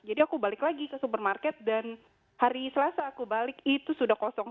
jadi aku balik lagi ke supermarket dan hari selasa aku balik itu sudah kosong